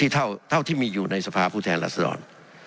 เท่าที่มีอยู่ในสภาพผู้แทนรัศดร